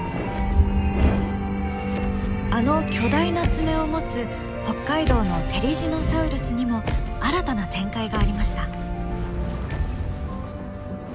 あの巨大な爪を持つ北海道のテリジノサウルスにも新たな展開がありました。